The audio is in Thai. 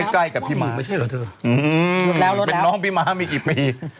ใกล้กับพี่ม้าเป็นน้องพี่ม้ามีกี่ปี